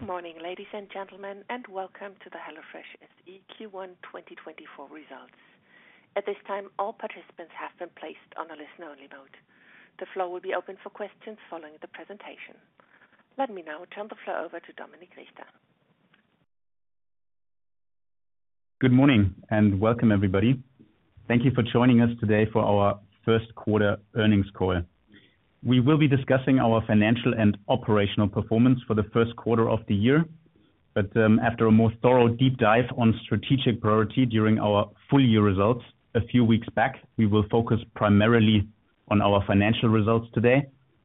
Good morning, ladies and gentlemen, and Welcome to the HelloFresh SE Q1 2024 results. At this time, all participants have been placed on a listen-only mode. The floor will be open for questions following the presentation. Let me now turn the floor over to Dominik Richter. Good morning and welcome, everybody. Thank you for joining us today for our first quarter earnings call. We will be discussing our financial and operational performance for the first quarter of the year, but after a more thorough deep dive on strategic priority during our full-year results a few weeks back, we will focus primarily on our financial results today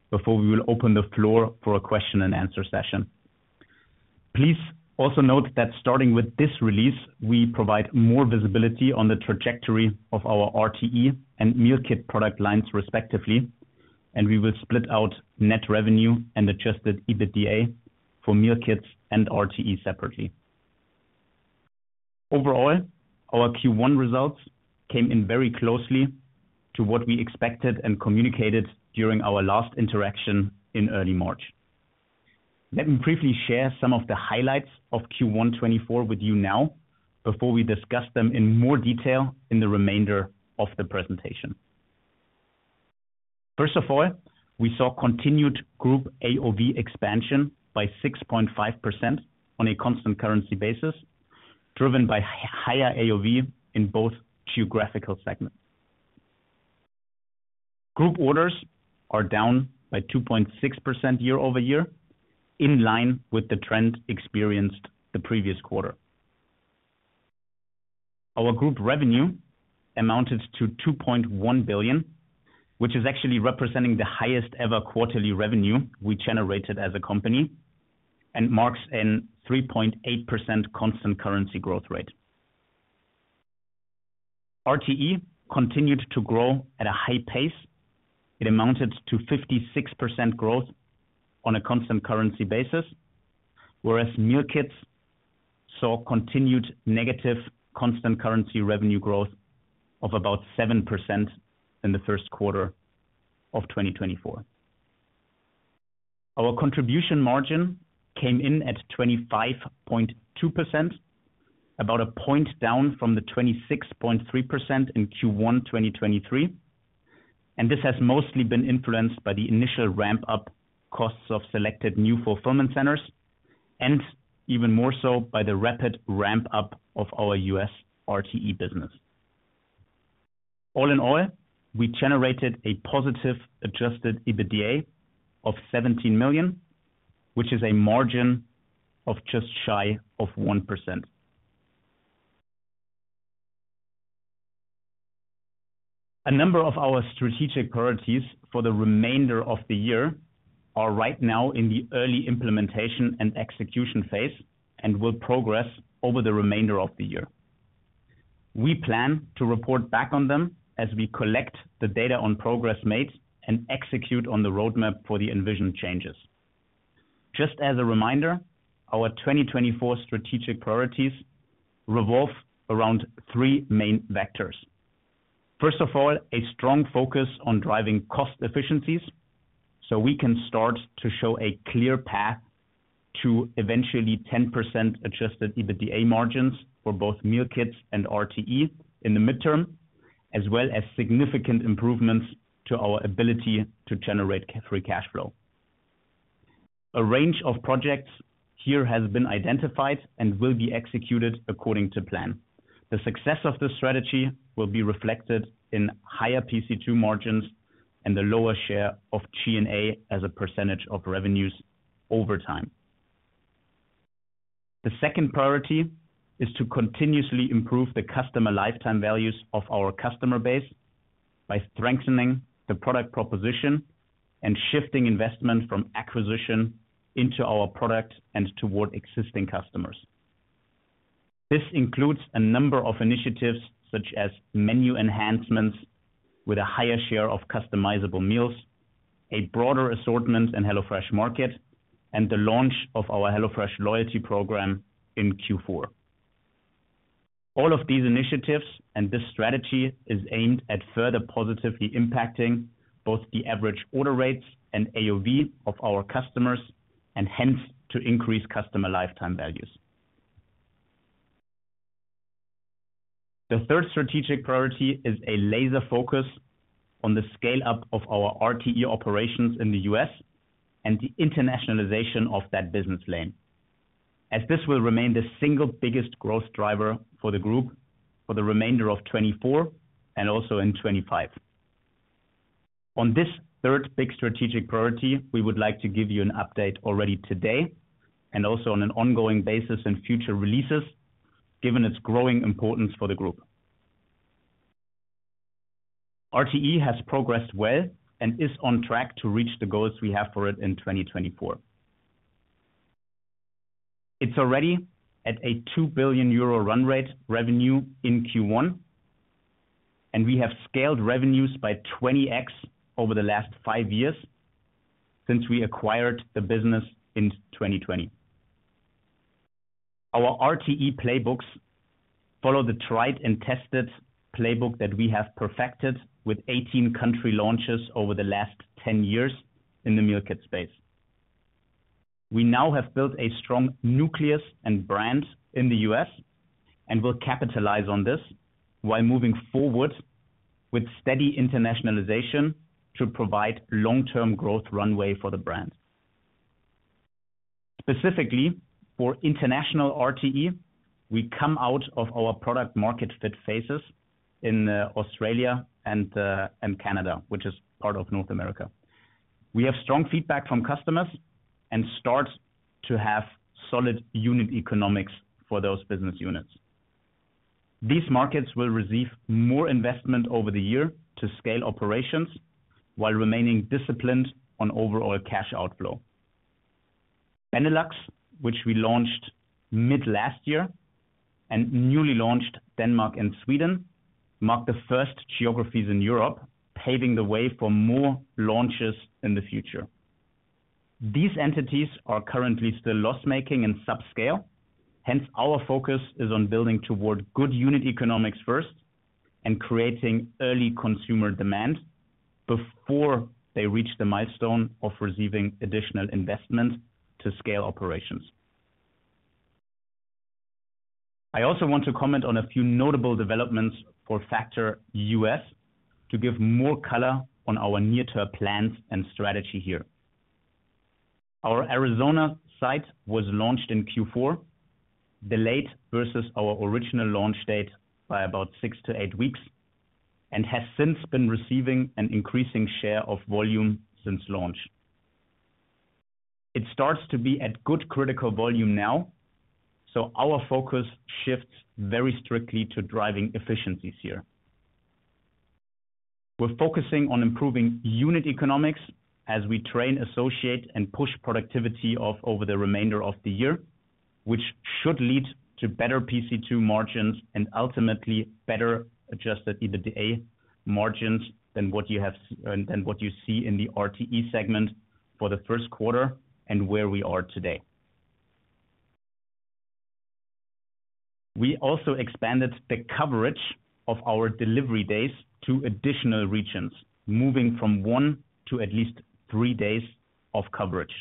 before we will open the floor for a question-and-answer session. Please also note that starting with this release, we provide more visibility on the trajectory of our RTE and meal kit product lines, respectively, and we will split out net revenue and Adjusted EBITDA for meal kits and RTE separately. Overall, our Q1 results came in very closely to what we expected and communicated during our last interaction in early March. Let me briefly share some of the highlights of Q1 2024 with you now before we discuss them in more detail in the remainder of the presentation. First of all, we saw continued group AOV expansion by 6.5% on a constant currency basis, driven by higher AOV in both geographical segments. Group orders are down by 2.6% year-over-year, in line with the trend experienced the previous quarter. Our group revenue amounted to 2.1 billion, which is actually representing the highest-ever quarterly revenue we generated as a company and marks a 3.8% constant currency growth rate. RTE continued to grow at a high pace. It amounted to 56% growth on a constant currency basis, whereas meal kits saw continued negative constant currency revenue growth of about 7% in the first quarter of 2024. Our contribution margin came in at 25.2%, about a point down from the 26.3% in Q1 2023, and this has mostly been influenced by the initial ramp-up costs of selected new fulfillment centers and even more so by the rapid ramp-up of our U.S. RTE business. All in all, we generated a positive Adjusted EBITDA of 17 million, which is a margin of just shy of 1%. A number of our strategic priorities for the remainder of the year are right now in the early implementation and execution phase and will progress over the remainder of the year. We plan to report back on them as we collect the data on progress made and execute on the roadmap for the envisioned changes. Just as a reminder, our 2024 strategic priorities revolve around three main vectors. First of all, a strong focus on driving cost efficiencies so we can start to show a clear path to eventually 10% Adjusted EBITDA margins for both meal kits and RTE in the midterm, as well as significant improvements to our ability to generate Free Cash Flow. A range of projects here has been identified and will be executed according to plan. The success of this strategy will be reflected in higher PC2 margins and the lower share of G&A as a percentage of revenues over time. The second priority is to continuously improve the customer lifetime values of our customer base by strengthening the product proposition and shifting investment from acquisition into our product and toward existing customers. This includes a number of initiatives such as menu enhancements with a higher share of customizable meals, a broader assortment in HelloFresh Market, and the launch of our HelloFresh loyalty program in Q4. All of these initiatives and this strategy is aimed at further positively impacting both the average order rates and AOV of our customers and hence to increase customer lifetime values. The third strategic priority is a laser focus on the scale-up of our RTE operations in the U.S. and the internationalization of that business lane, as this will remain the single biggest growth driver for the group for the remainder of 2024 and also in 2025. On this third big strategic priority, we would like to give you an update already today and also on an ongoing basis in future releases, given its growing importance for the group. RTE has progressed well and is on track to reach the goals we have for it in 2024. It's already at a 2 billion euro run rate revenue in Q1, and we have scaled revenues by 20x over the last five years since we acquired the business in 2020. Our RTE playbooks follow the tried-and-tested playbook that we have perfected with 18 country launches over the last 10 years in the meal kit space. We now have built a strong nucleus and brand in the U.S. and will capitalize on this while moving forward with steady internationalization to provide long-term growth runway for the brand. Specifically for international RTE, we come out of our product-market fit phases in Australia and Canada, which is part of North America. We have strong feedback from customers and start to have solid unit economics for those business units. These markets will receive more investment over the year to scale operations while remaining disciplined on overall cash outflow. Benelux, which we launched mid-last year and newly launched Denmark and Sweden, marked the first geographies in Europe, paving the way for more launches in the future. These entities are currently still loss-making and subscale, hence our focus is on building toward good unit economics first and creating early consumer demand before they reach the milestone of receiving additional investment to scale operations. I also want to comment on a few notable developments for Factor U.S. to give more color on our near-term plans and strategy here. Our Arizona site was launched in Q4, delayed versus our original launch date by about six-eight weeks, and has since been receiving an increasing share of volume since launch. It starts to be at good critical volume now, so our focus shifts very strictly to driving efficiencies here. We're focusing on improving unit economics as we train, associates, and push productivity over the remainder of the year, which should lead to better PC2 margins and ultimately better Adjusted EBITDA margins than what you have and then what you see in the RTE segment for the first quarter and where we are today. We also expanded the coverage of our delivery days to additional regions, moving from one to at least three days of coverage.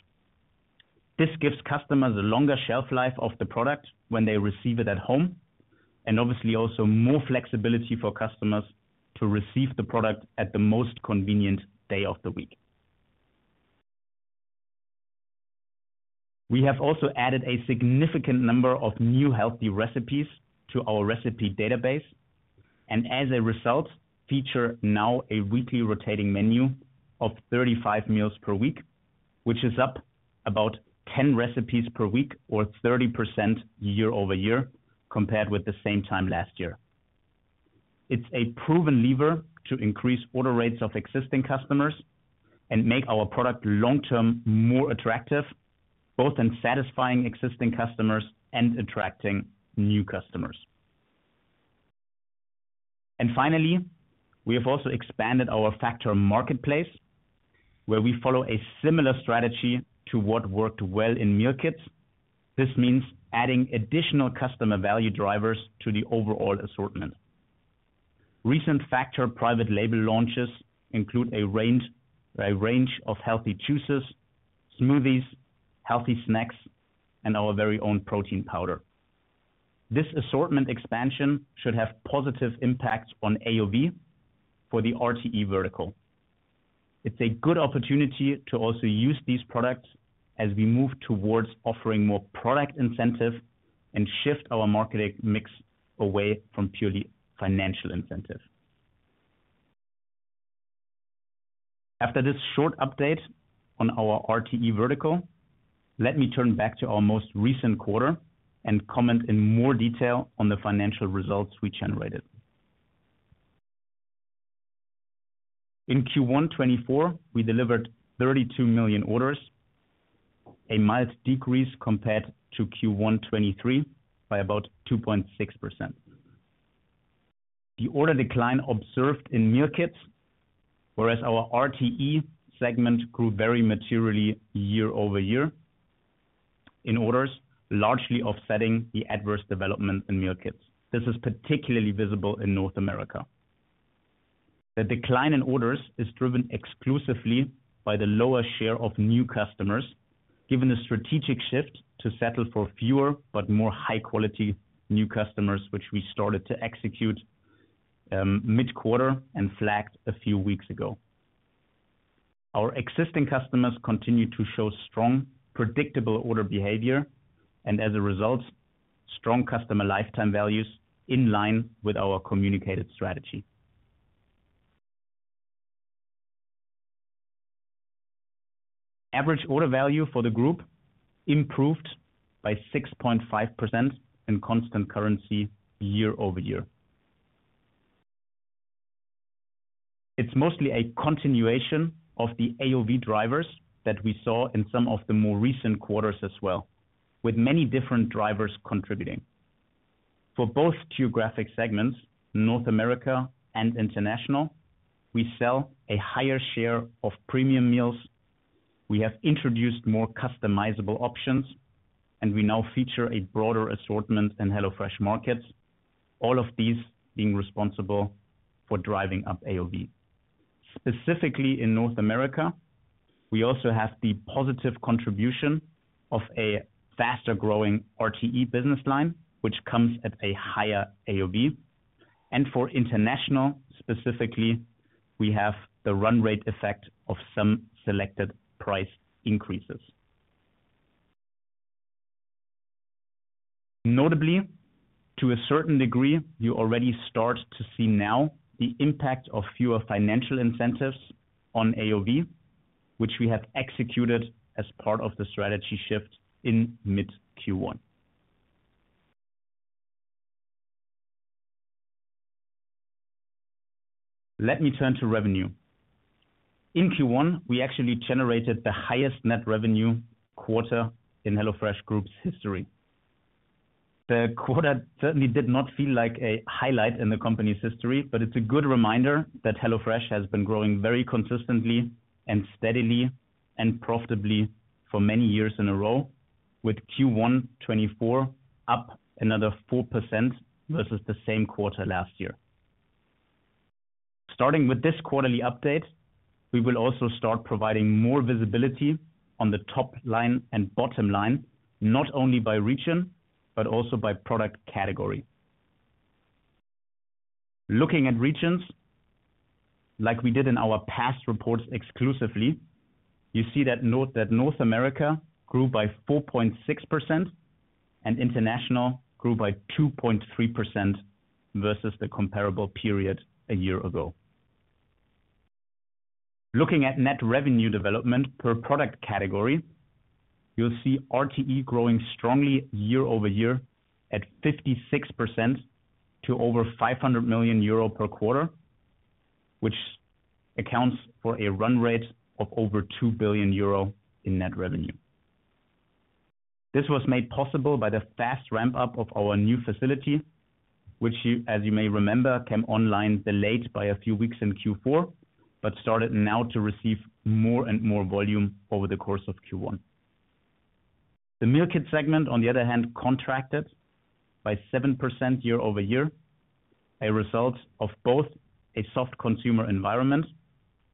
This gives customers a longer shelf life of the product when they receive it at home and obviously also more flexibility for customers to receive the product at the most convenient day of the week. We have also added a significant number of new healthy recipes to our recipe database and, as a result, feature now a weekly rotating menu of 35 meals per week, which is up about 10 recipes per week or 30% year-over-year compared with the same time last year. It's a proven lever to increase order rates of existing customers and make our product long-term more attractive, both in satisfying existing customers and attracting new customers. And finally, we have also expanded our Factor marketplace, where we follow a similar strategy to what worked well in meal kits. This means adding additional customer value drivers to the overall assortment. Recent Factor private label launches include a range of healthy juices, smoothies, healthy snacks, and our very own protein powder. This assortment expansion should have positive impacts on AOV for the RTE vertical. It's a good opportunity to also use these products as we move towards offering more product incentive and shift our marketing mix away from purely financial incentive. After this short update on our RTE vertical, let me turn back to our most recent quarter and comment in more detail on the financial results we generated. In Q1 2024, we delivered 32 million orders, a mild decrease compared to Q1 2023 by about 2.6%. The order decline observed in meal kits, whereas our RTE segment grew very materially year-over-year in orders, largely offsetting the adverse development in meal kits. This is particularly visible in North America. The decline in orders is driven exclusively by the lower share of new customers, given the strategic shift to settle for fewer but more high-quality new customers, which we started to execute mid-quarter and flagged a few weeks ago. Our existing customers continue to show strong, predictable order behavior and, as a result, strong customer lifetime values in line with our communicated strategy. Average order value for the group improved by 6.5% in constant currency year-over-year. It's mostly a continuation of the AOV drivers that we saw in some of the more recent quarters as well, with many different drivers contributing. For both geographic segments, North America and International, we sell a higher share of premium meals. We have introduced more customizable options, and we now feature a broader assortment in HelloFresh Markets, all of these being responsible for driving up AOV. Specifically in North America, we also have the positive contribution of a faster-growing RTE business line, which comes at a higher AOV. For International specifically, we have the run rate effect of some selected price increases. Notably, to a certain degree, you already start to see now the impact of fewer financial incentives on AOV, which we have executed as part of the strategy shift in mid-Q1. Let me turn to revenue. In Q1, we actually generated the highest net revenue quarter in HelloFresh Group's history. The quarter certainly did not feel like a highlight in the company's history, but it's a good reminder that HelloFresh has been growing very consistently and steadily and profitably for many years in a row, with Q1 2024 up another 4% versus the same quarter last year. Starting with this quarterly update, we will also start providing more visibility on the top line and bottom line, not only by region but also by product category. Looking at regions, like we did in our past reports exclusively, you see that North America grew by 4.6% and international grew by 2.3% versus the comparable period a year ago. Looking at net revenue development per product category, you'll see RTE growing strongly year-over-year at 56% to over 500 million euro per quarter, which accounts for a run rate of over 2 billion euro in net revenue. This was made possible by the fast ramp-up of our new facility, which, as you may remember, came online delayed by a few weeks in Q4 but started now to receive more and more volume over the course of Q1. The meal kit segment, on the other hand, contracted by 7% year-over-year, a result of both a soft consumer environment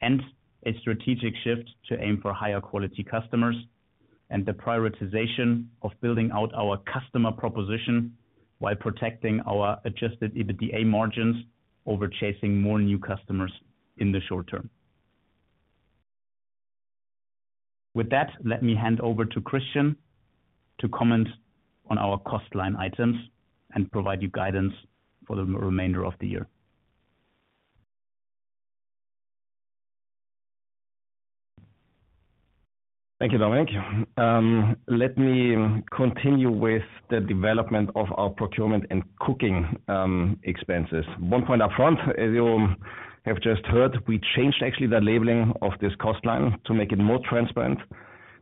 and a strategic shift to aim for higher quality customers and the prioritization of building out our customer proposition while protecting our Adjusted EBITDA margins over chasing more new customers in the short term. With that, let me hand over to Christian to comment on our cost line items and provide you guidance for the remainder of the year. Thank you, Dominik. Let me continue with the development of our procurement and cooking expenses. One point up front, as you have just heard, we changed actually the labeling of this cost line to make it more transparent,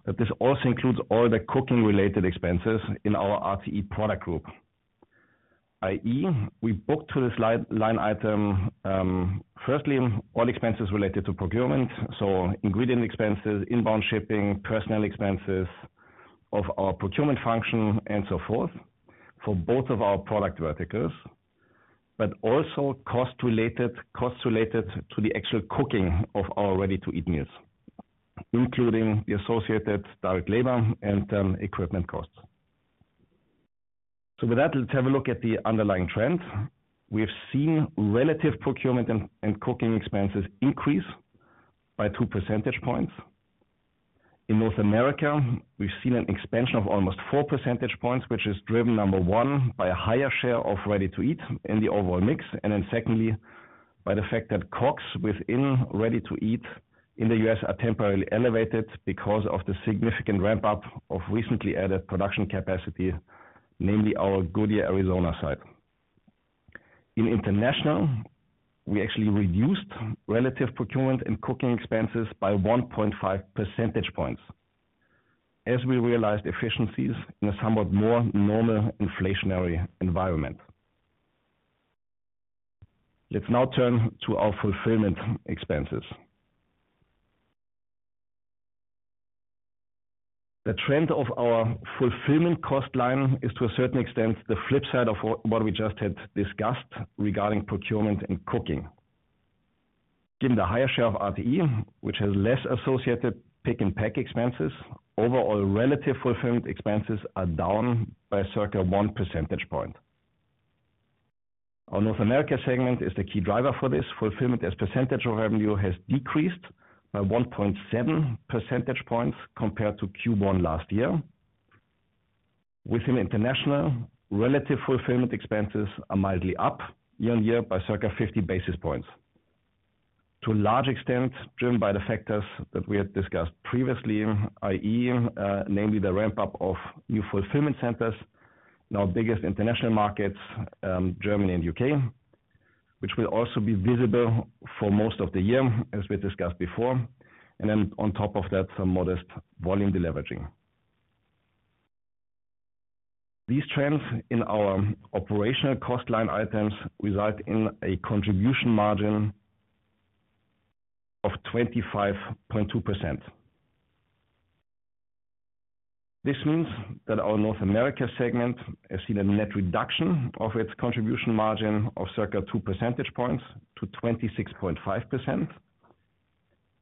but this also includes all the cooking-related expenses in our RTE product group, i.e., we booked to this line item, firstly, all expenses related to procurement, so ingredient expenses, inbound shipping, personnel expenses of our procurement function, and so forth for both of our product verticals, but also costs related to the actual cooking of our ready-to-eat meals, including the associated direct labor and equipment costs. So with that, let's have a look at the underlying trends. We've seen relative procurement and cooking expenses increase by 2 percentage points. In North America, we've seen an expansion of almost 4 percentage points, which is driven, number one, by a higher share of ready-to-eat in the overall mix and then, secondly, by the fact that COGS within ready-to-eat in the U.S. are temporarily elevated because of the significant ramp-up of recently added production capacity, namely our Goodyear, Arizona site. In international, we actually reduced relative procurement and cooking expenses by 1.5 percentage points as we realized efficiencies in a somewhat more normal inflationary environment. Let's now turn to our fulfillment expenses. The trend of our fulfillment cost line is, to a certain extent, the flip side of what we just had discussed regarding procurement and cooking. Given the higher share of RTE, which has less associated pick-and-pack expenses, overall relative fulfillment expenses are down by circa 1 percentage point. Our North America segment is the key driver for this. Fulfillment as percentage of revenue has decreased by 1.7 percentage points compared to Q1 last year. Within international, relative fulfillment expenses are mildly up year-on-year by circa 50 basis points, to a large extent driven by the factors that we had discussed previously, i.e., namely the ramp-up of new fulfillment centers, now biggest international markets, Germany and U.K., which will also be visible for most of the year, as we discussed before, and then on top of that, some modest volume deleveraging. These trends in our operational cost line items result in a contribution margin of 25.2%. This means that our North America segment has seen a net reduction of its contribution margin of circa 2 percentage points to 26.5%,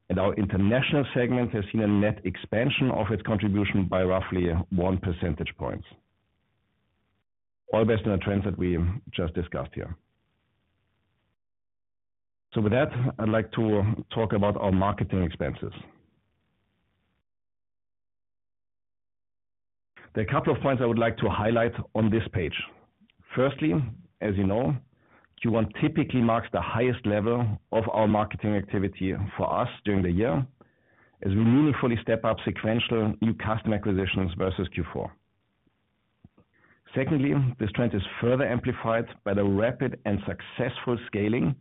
and our international segment has seen a net expansion of its contribution by roughly 1 percentage point, all based on the trends that we just discussed here. With that, I'd like to talk about our marketing expenses. There are a couple of points I would like to highlight on this page. Firstly, as you know, Q1 typically marks the highest level of our marketing activity for us during the year as we meaningfully step up sequential new customer acquisitions versus Q4. Secondly, this trend is further amplified by the rapid and successful scaling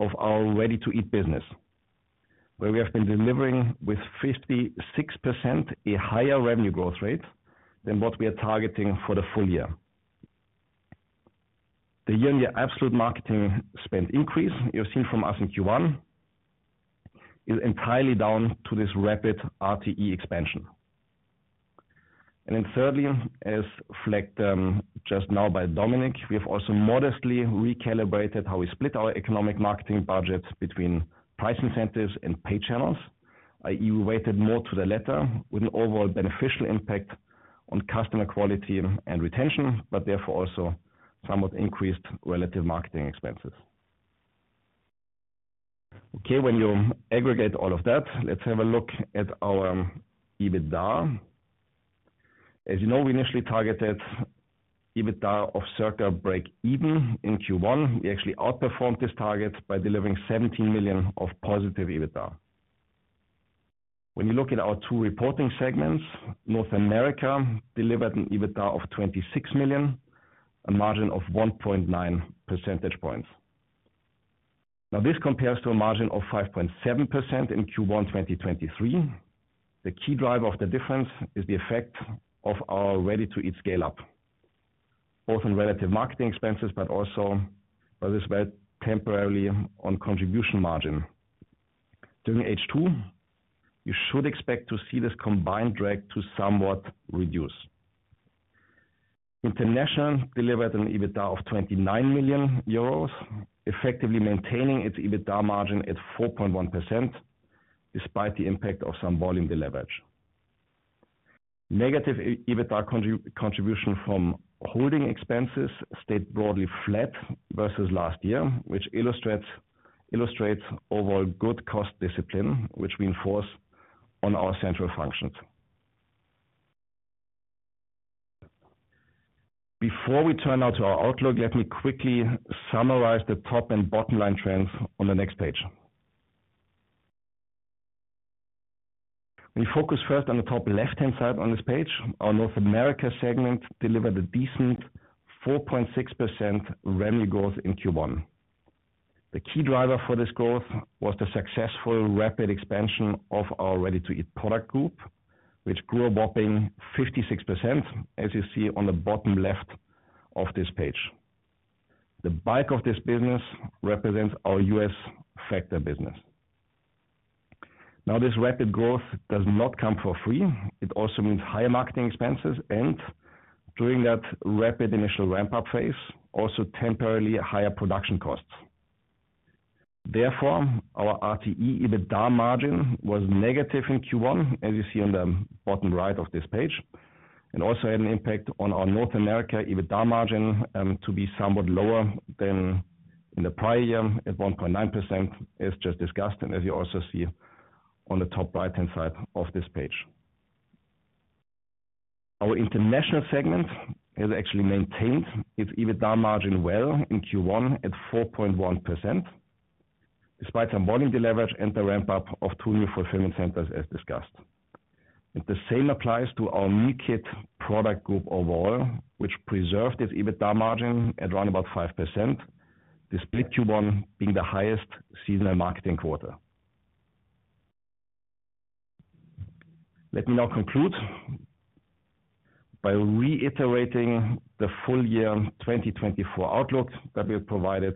of our ready-to-eat business, where we have been delivering with 56% a higher revenue growth rate than what we are targeting for the full year. The year-on-year absolute marketing spend increase you've seen from us in Q1 is entirely down to this rapid RTE expansion. And then thirdly, as flagged just now by Dominik, we have also modestly recalibrated how we split our economic marketing budget between price incentives and paid channels, i.e., we weighted more to the latter with an overall beneficial impact on customer quality and retention, but therefore also somewhat increased relative marketing expenses. Okay, when you aggregate all of that, let's have a look at our EBITDA. As you know, we initially targeted EBITDA of circa break-even in Q1. We actually outperformed this target by delivering 17 million of positive EBITDA. When you look at our two reporting segments, North America delivered an EBITDA of 26 million, a margin of 1.9 percentage points. Now, this compares to a margin of 5.7% in Q1 2023. The key driver of the difference is the effect of our ready-to-eat scale-up, both on relative marketing expenses but also by this way temporarily on contribution margin. During H2, you should expect to see this combined drag to somewhat reduce. International delivered an EBITDA of 29 million euros, effectively maintaining its EBITDA margin at 4.1% despite the impact of some volume deleverage. Negative EBITDA contribution from holding expenses stayed broadly flat versus last year, which illustrates overall good cost discipline, which we enforce on our central functions. Before we turn now to our Outlook, let me quickly summarize the top and bottom line trends on the next page. When you focus first on the top left-hand side on this page, our North America segment delivered a decent 4.6% revenue growth in Q1. The key driver for this growth was the successful rapid expansion of our ready-to-eat product group, which grew a whopping 56%, as you see on the bottom left of this page. The bulk of this business represents our U.S. Factor business. Now, this rapid growth does not come for free. It also means higher marketing expenses and, during that rapid initial ramp-up phase, also temporarily higher production costs. Therefore, our RTE EBITDA margin was negative in Q1, as you see on the bottom right of this page, and also had an impact on our North America EBITDA margin to be somewhat lower than in the prior year at 1.9%, as just discussed and as you also see on the top right-hand side of this page. Our international segment has actually maintained its EBITDA margin well in Q1 at 4.1% despite some volume deleverage and the ramp-up of two new fulfillment centers, as discussed. The same applies to our meal kit product group overall, which preserved its EBITDA margin at around about 5%, despite Q1 being the highest seasonal marketing quarter. Let me now conclude by reiterating the full year 2024 Outlook that we had provided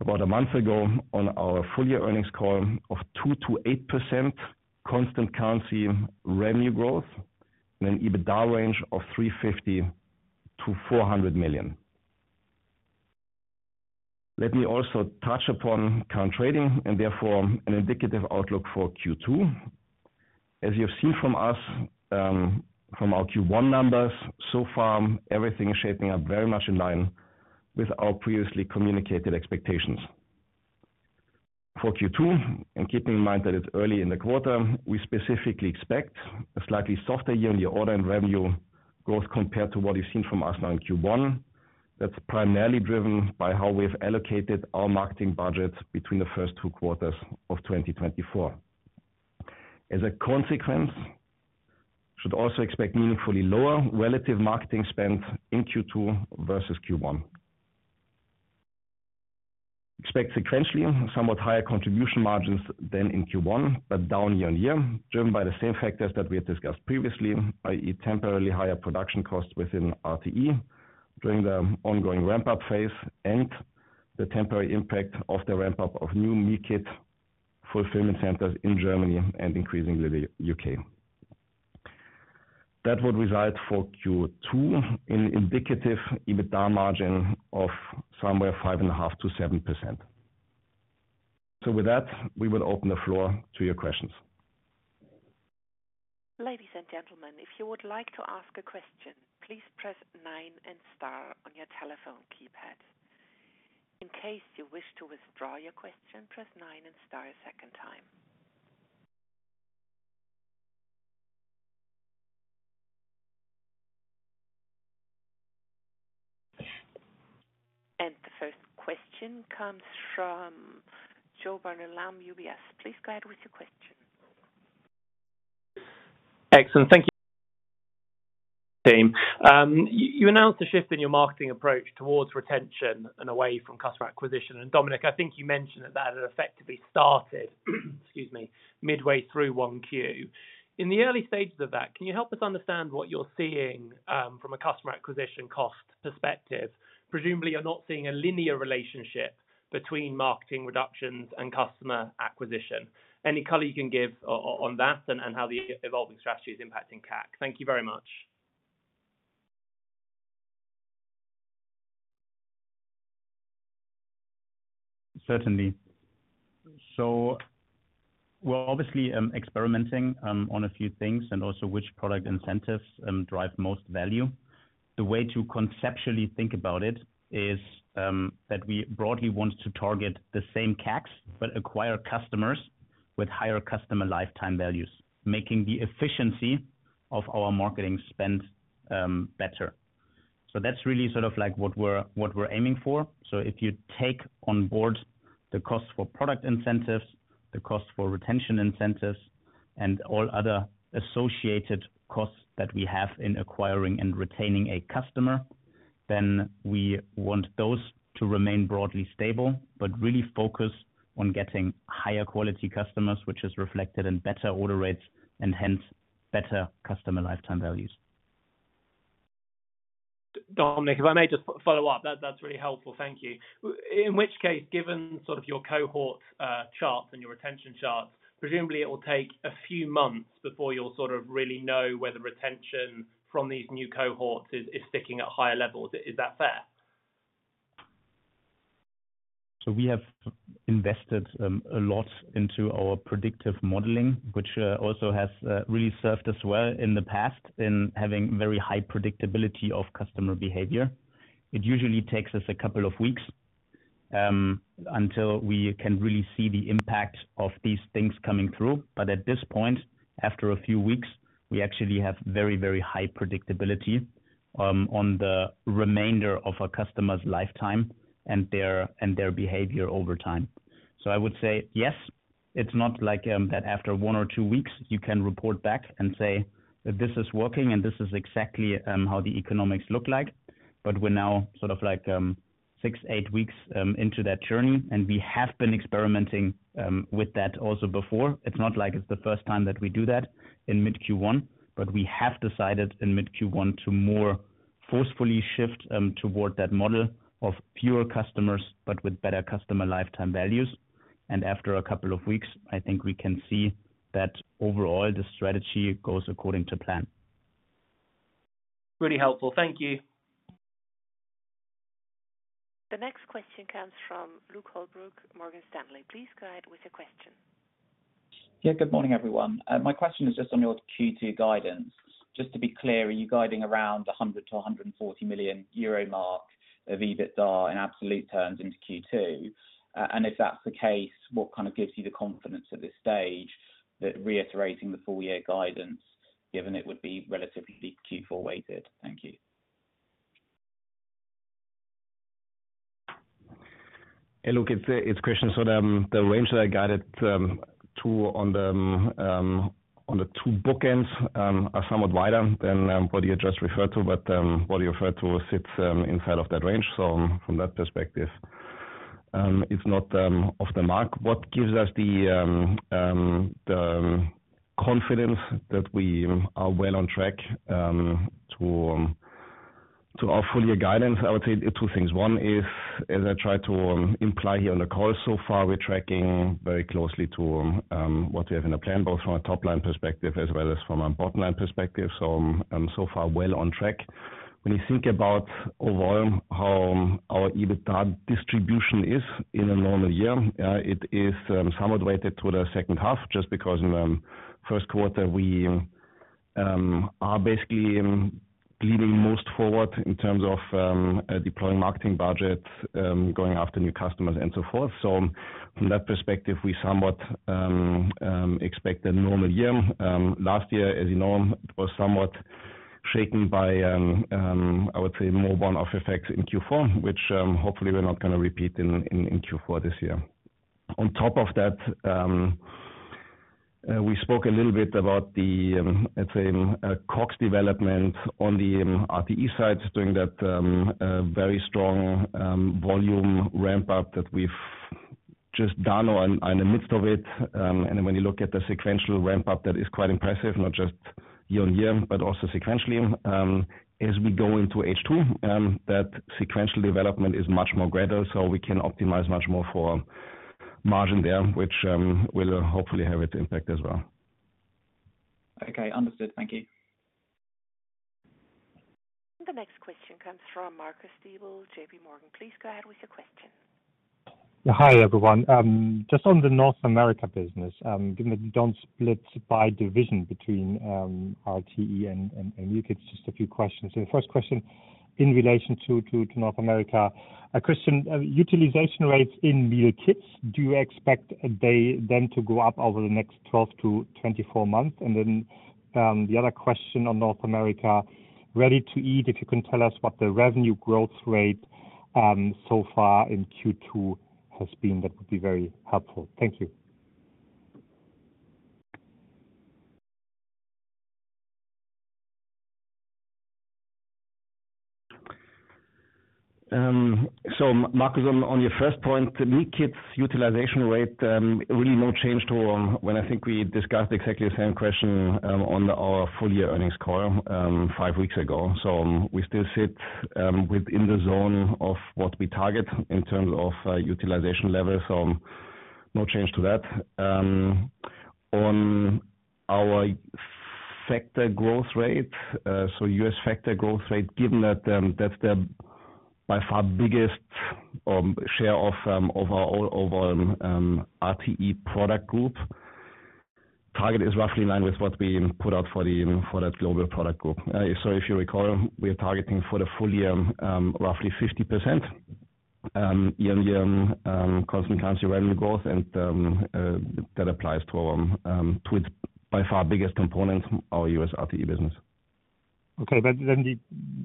about a month ago on our full year earnings call of 2%-8% constant currency revenue growth and an EBITDA range of 350 million-400 million. Let me also touch upon current trading and therefore an indicative Outlook for Q2. As you have seen from our Q1 numbers so far, everything is shaping up very much in line with our previously communicated expectations. For Q2, and keeping in mind that it's early in the quarter, we specifically expect a slightly softer year-on-year order and revenue growth compared to what you've seen from us now in Q1. That's primarily driven by how we have allocated our marketing budget between the first two quarters of 2024. As a consequence, you should also expect meaningfully lower relative marketing spend in Q2 versus Q1. Expect sequentially somewhat higher contribution margins than in Q1 but down year-on-year, driven by the same factors that we had discussed previously, i.e., temporarily higher production costs within RTE during the ongoing ramp-up phase and the temporary impact of the ramp-up of new meal kit fulfillment centers in Germany and increasingly the U.K. That would result for Q2 in an indicative EBITDA margin of somewhere 5.5%-7%. So with that, we would open the floor to your questions. Ladies and gentlemen, if you would like to ask a question, please press nine and star on your telephone keypad. In case you wish to withdraw your question, press nine and star a second time. The first question comes from Joe Barnet-Lamb, UBS. Please go ahead with your question. Excellent. Thank you. Thanks. You announced a shift in your marketing approach towards retention and away from customer acquisition. Dominik, I think you mentioned that that had effectively started, excuse me, midway through 1Q. In the early stages of that, can you help us understand what you're seeing from a customer acquisition cost perspective? Presumably, you're not seeing a linear relationship between marketing reductions and customer acquisition. Any color you can give on that and how the evolving strategy is impacting CAC? Thank you very much. Certainly. So we're obviously experimenting on a few things and also which product incentives drive most value. The way to conceptually think about it is that we broadly want to target the same CACs but acquire customers with higher customer lifetime values, making the efficiency of our marketing spend better. So that's really sort of like what we're aiming for. So if you take on board the costs for product incentives, the costs for retention incentives, and all other associated costs that we have in acquiring and retaining a customer, then we want those to remain broadly stable but really focus on getting higher quality customers, which is reflected in better order rates and hence better customer lifetime values. Dominik, if I may just follow up, that's really helpful. Thank you. In which case, given sort of your cohort charts and your retention charts, presumably it will take a few months before you'll sort of really know whether retention from these new cohorts is sticking at higher levels. Is that fair? So we have invested a lot into our predictive modeling, which also has really served us well in the past in having very high predictability of customer behavior. It usually takes us a couple of weeks until we can really see the impact of these things coming through. But at this point, after a few weeks, we actually have very, very high predictability on the remainder of our customer's lifetime and their behavior over time. So I would say, yes, it's not like that after one or two weeks, you can report back and say that this is working and this is exactly how the economics look like. But we're now sort of like six, eight weeks into that journey, and we have been experimenting with that also before. It's not like it's the first time that we do that in mid-Q1, but we have decided in mid-Q1 to more forcefully shift toward that model of fewer customers but with better customer lifetime values. After a couple of weeks, I think we can see that overall, the strategy goes according to plan. Really helpful. Thank you. The next question comes from Luke Holbrook, Morgan Stanley. Please go ahead with your question. Yeah, good morning, everyone. My question is just on your Q2 guidance. Just to be clear, are you guiding around the 100 million-140 million euro mark of EBITDA in absolute terms into Q2? And if that's the case, what kind of gives you the confidence at this stage that reiterating the full year guidance, given it would be relatively Q4 weighted? Thank you. Hey, look, it's Christian. So the range that I guided to on the two bookends are somewhat wider than what you just referred to, but what you referred to sits inside of that range. So from that perspective, it's not off the mark. What gives us the confidence that we are well on track to our full year guidance, I would say two things. One is, as I tried to imply here on the call so far, we're tracking very closely to what we have in the plan, both from a top-line perspective as well as from a bottom-line perspective. So far, well on track. When you think about overall how our EBITDA distribution is in a normal year, it is somewhat weighted to the second half just because in the first quarter, we are basically leaning most forward in terms of deploying marketing budgets, going after new customers, and so forth. So from that perspective, we somewhat expect a normal year. Last year, as you know, it was somewhat shaken by, I would say, more one-off effects in Q4, which hopefully we're not going to repeat in Q4 this year. On top of that, we spoke a little bit about the, let's say, COGS development on the RTE side during that very strong volume ramp-up that we've just done and in the midst of it. And when you look at the sequential ramp-up, that is quite impressive, not just year-on-year but also sequentially. As we go into H2, that sequential development is much more gradual, so we can optimize much more for margin there, which will hopefully have its impact as well. Okay, understood. Thank you. The next question comes from Marcus Diebel, JPMorgan. Please go ahead with your question. Hi, everyone. Just on the North America business, given that you don't split by division between RTE and meal kits, just a few questions. So the first question in relation to North America. Christian, utilization rates in meal kits, do you expect them to go up over the next 12-24 months? And then the other question on North America, ready-to-eat, if you can tell us what the revenue growth rate so far in Q2 has been, that would be very helpful. Thank you. So Marcus, on your first point, the meal kits utilization rate, really no change to when I think we discussed exactly the same question on our full year earnings call five weeks ago. So we still sit within the zone of what we target in terms of utilization level, so no change to that. On our Factor growth rate, so U.S. Factor growth rate, given that that's the by far biggest share of our overall RTE product group, target is roughly in line with what we put out for that global product group. So if you recall, we are targeting for the full year roughly 50% year-on-year constant currency revenue growth, and that applies to its by far biggest component, our U.S. RTE business. Okay, but then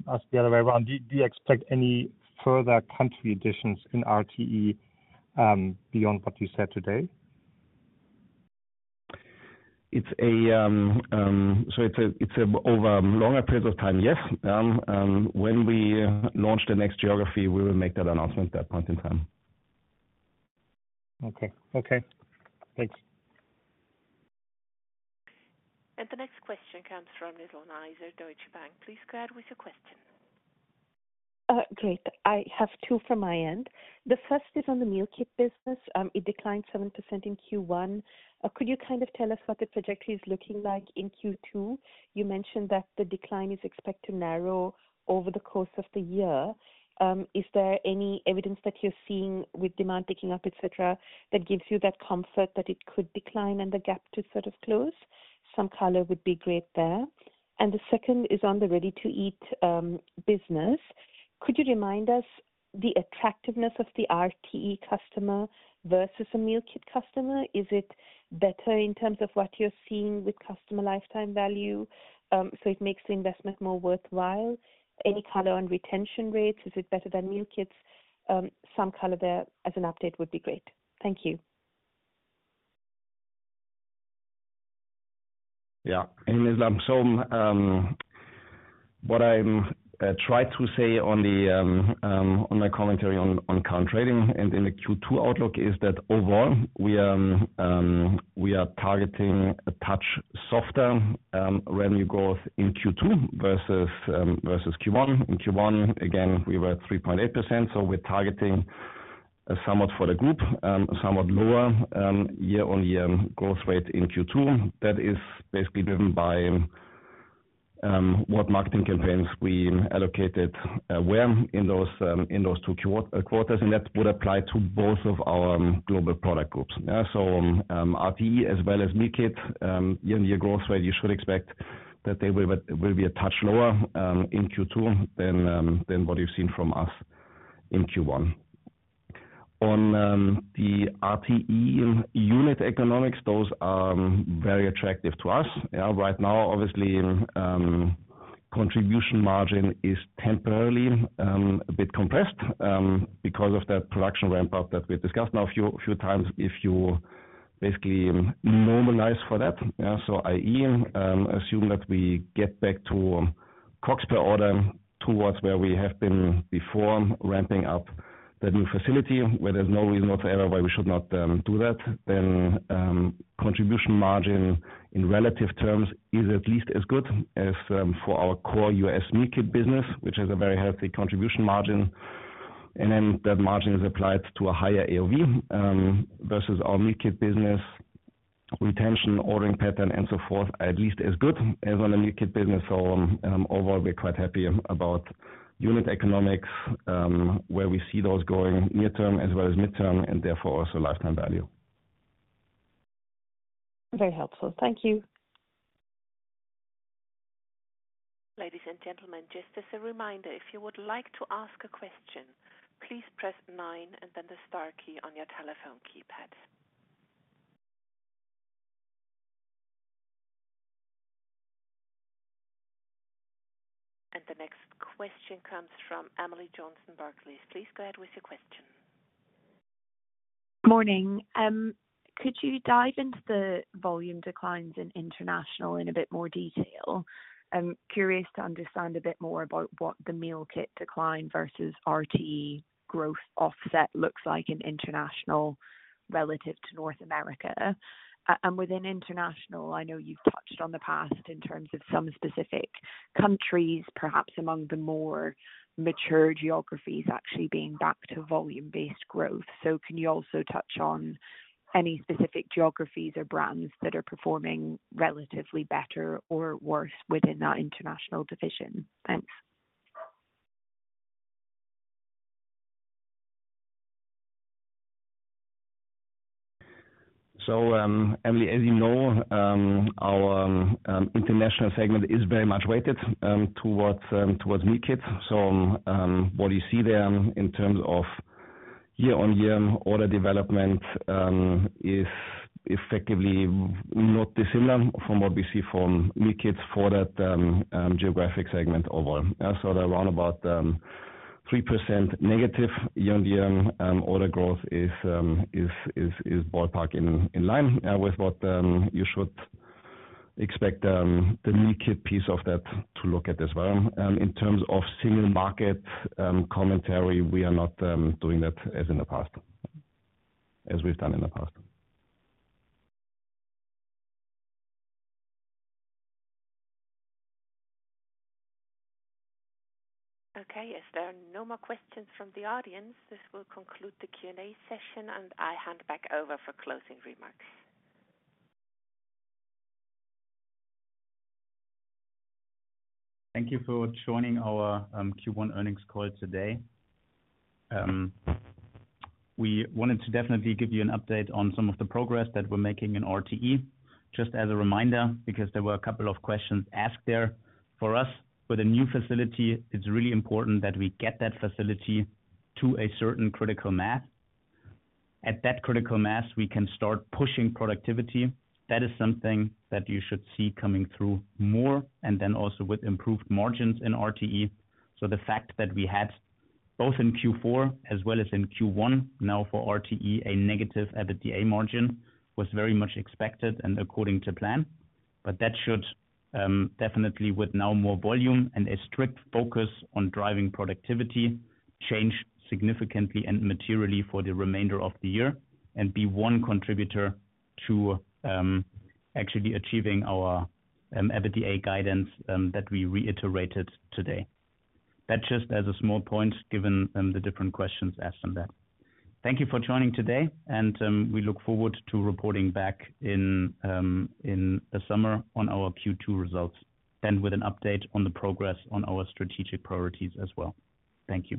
ask the other way around. Do you expect any further country additions in RTE beyond what you said today? It's over longer periods of time, yes. When we launch the next geography, we will make that announcement at that point in time. Okay. Okay. Thanks. The next question comes from Nizla Naizer, Deutsche Bank. Please go ahead with your question. Great. I have two from my end. The first is on the meal kit business. It declined 7% in Q1. Could you kind of tell us what the trajectory is looking like in Q2? You mentioned that the decline is expected to narrow over the course of the year. Is there any evidence that you're seeing with demand picking up, etc., that gives you that comfort that it could decline and the gap to sort of close? Some color would be great there. And the second is on the ready-to-eat business. Could you remind us the attractiveness of the RTE customer versus a meal kit customer? Is it better in terms of what you're seeing with customer lifetime value so it makes the investment more worthwhile? Any color on retention rates? Is it better than meal kits? Some color there as an update would be great. Thank you. Yeah. Hey, Nizla. So what I tried to say on my commentary on current trading and in the Q2 outlook is that overall, we are targeting a touch softer revenue growth in Q2 versus Q1. In Q1, again, we were 3.8%, so we're targeting somewhat for the group, somewhat lower year-over-year growth rate in Q2. That is basically driven by what marketing campaigns we allocated where in those two quarters, and that would apply to both of our global product groups. So RTE as well as meal kit, year-over-year growth rate, you should expect that they will be a touch lower in Q2 than what you've seen from us in Q1. On the RTE unit economics, those are very attractive to us. Right now, obviously, contribution margin is temporarily a bit compressed because of that production ramp-up that we discussed now a few times. If you basically normalize for that, so i.e., assume that we get back to COGS per order towards where we have been before ramping up the new facility, where there's no reason whatsoever why we should not do that, then contribution margin in relative terms is at least as good as for our core U.S. meal kit business, which has a very healthy contribution margin. And then that margin is applied to a higher AOV versus our meal kit business, retention, ordering pattern, and so forth, at least as good as on the meal kit business. So overall, we're quite happy about unit economics, where we see those going near-term as well as mid-term and therefore also lifetime value. Very helpful. Thank you. Ladies and gentlemen, just as a reminder, if you would like to ask a question, please press nine and then the star key on your telephone keypad. The next question comes from Emily Johnson of Barclays. Please go ahead with your question. Morning. Could you dive into the volume declines in International in a bit more detail? Curious to understand a bit more about what the meal kit decline versus RTE growth offset looks like in International relative to North America. Within International, I know you've touched on the past in terms of some specific countries, perhaps among the more mature geographies actually being back to volume-based growth. Can you also touch on any specific geographies or brands that are performing relatively better or worse within that International division? Thanks. So Emily, as you know, our international segment is very much weighted towards meal kits. So what you see there in terms of year-on-year order development is effectively not dissimilar from what we see from meal kits for that geographic segment overall. So around about 3%- year-on-year order growth is ballpark in line with what you should expect the meal kit piece of that to look at as well. In terms of single market commentary, we are not doing that as in the past as we've done in the past. Okay. If there are no more questions from the audience, this will conclude the Q&A session, and I hand back over for closing remarks. Thank you for joining our Q1 earnings call today. We wanted to definitely give you an update on some of the progress that we're making in RTE just as a reminder because there were a couple of questions asked there for us. With a new facility, it's really important that we get that facility to a certain critical mass. At that critical mass, we can start pushing productivity. That is something that you should see coming through more and then also with improved margins in RTE. So the fact that we had both in Q4 as well as in Q1, now for RTE, a negative EBITDA margin was very much expected and according to plan. But that should definitely, with now more volume and a strict focus on driving productivity, change significantly and materially for the remainder of the year and be one contributor to actually achieving our EBITDA guidance that we reiterated today. That just as a small point given the different questions asked on that. Thank you for joining today, and we look forward to reporting back in the summer on our Q2 results then with an update on the progress on our strategic priorities as well. Thank you.